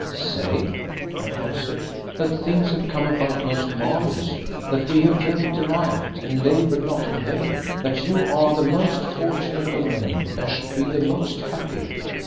"Say?" I answered. "That things have come about most marvellously; that we have dreamed aright and laboured not in vain; that you are the most fortunate of men and should be the most happy."